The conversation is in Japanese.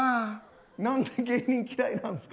何で芸人嫌いなんですか。